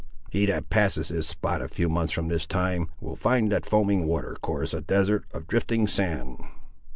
"He that passes this spot a few months from this time, will find that foaming water course a desert of drifting sand."